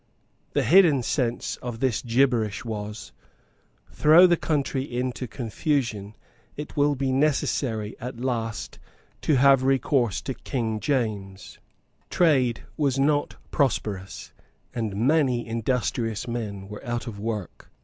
The hidden sense of this gibberish was, "Throw the country into confusion; it will be necessary at last to have recourse to King James." Trade was not prosperous; and many industrious men were out of work.